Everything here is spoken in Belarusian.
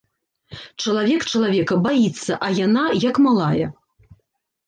Чалавек чалавека баіцца, а яна, як малая.